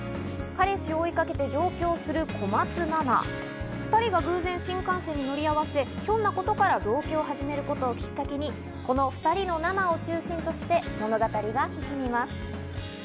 彼氏を追いかけて上京する小松奈々、２人が偶然新幹線に乗り合わせ、ひょんなことから同居を始めることをきっかけにこの２人のＮＡＮＡを中心として物語は進みます。